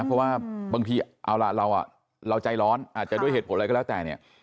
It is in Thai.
เพราะว่าบางทีเอาล่ะเราใจร้อนอาจจะด้วยเหตุผลอะไรก็แล้วแต่เนี่ย